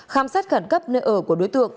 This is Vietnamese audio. khám sát khẩn cấp nơi ở của đối tượng